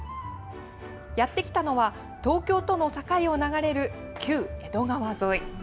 やって来たのは、東京との境を流れる旧江戸川沿い。